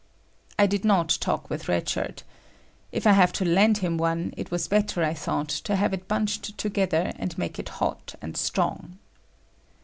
I did not talk with Red Shirt. If I have to land him one, it was better, I thought, to have it bunched together and make it hot and strong.